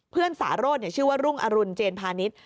เพื่อนสารดชื่อว่ารุงอรุณเจนพานิต